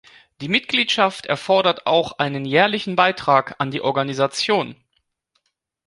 Die Mitgliedschaft erfordert auch einen jährlichen Beitrag an die Organisation.